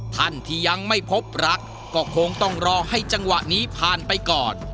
ท่านที่ยังไม่พบรักก็คงต้องรอให้จังหวะนี้ผ่านไปก่อน